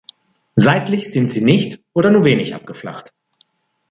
Seitlich sind sie nicht oder nur wenig abgeflacht.